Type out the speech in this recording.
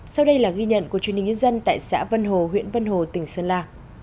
sau đây là ghi nhận của truyền hình nhân dân tại xã vân hồ huyện vân hồ tỉnh sơn la